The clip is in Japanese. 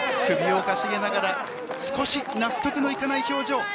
首をかしげながら少し納得のいかない表情。